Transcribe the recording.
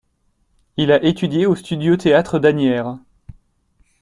Il a étudié au studio-théâtre d'Asnières.